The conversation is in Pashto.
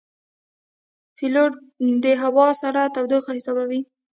پیلوټ د هوا سړه تودوخه حسابوي.